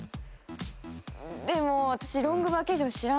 でも私。